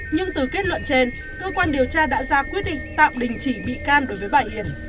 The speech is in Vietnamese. nhưng từ kết luận trên cơ quan điều tra đã ra quyết định tạm đình chỉ bị can đối với bà hiền